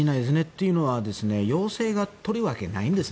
というのは要請が通るわけないんです。